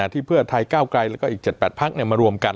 ที่เพื่อไทยก้าวไกลแล้วก็อีก๗๘พักมารวมกัน